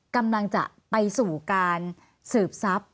กำลังจะไปสู่การสืบทรัพย์